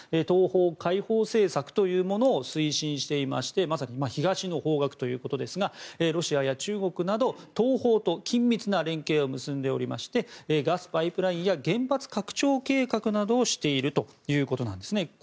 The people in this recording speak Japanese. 東方開放政策というものを推進していましてまさに東の方角ということですがロシアや中国など東方と緊密な連携を結んでおりましてガスパイプラインや原発拡張計画などをしているということなんですね。